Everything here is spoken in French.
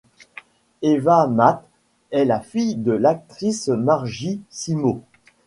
Eva Mattes est la fille de l'actrice Margit Symo.